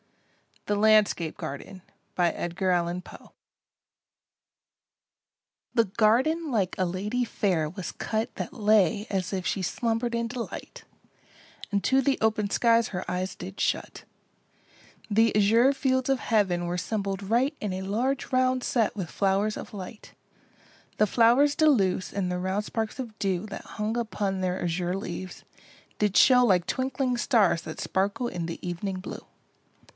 THE LANDSCAPE GARDEN The garden like a lady fair was cut That lay as if she slumbered in delight, And to the open skies her eyes did shut; The azure fields of heaven were 'sembled right In a large round set with flow'rs of light: The flowers de luce and the round sparks of dew That hung upon their azure leaves, did show Like twinkling stars that sparkle in the ev'ning blue.